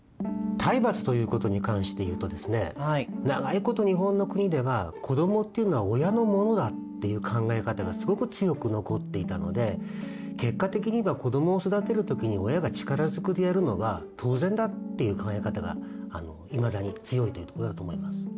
体罰ということに関していうとですね長いこと日本の国では子どもっていうのは親のものだっていう考え方がすごく強く残っていたので結果的には子どもを育てる時に親が力ずくでやるのは当然だっていう考え方がいまだに強いというとこだと思います。